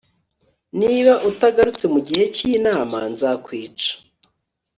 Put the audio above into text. niba utagarutse mugihe cyinama, nzakwica